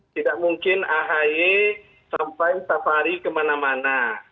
tidak mungkin ahy sampai safari kemana mana